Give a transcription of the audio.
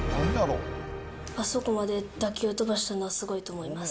あそこまで打球飛ばしたのはすごいと思います。